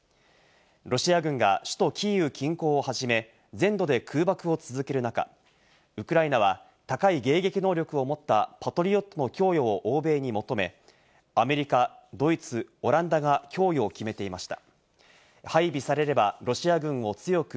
ロシア軍が首都キーウ近郊をはじめ、全土で空爆を続ける中、ウクライナは高い迎撃能力を持った「パトリオット」の供与を欧米に求め、アメリカ、ドイツ、オランダが供与を決めていました。